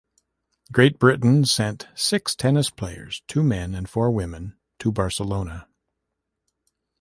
Great Britain sent six tennis players, two men and four women, to Barcelona.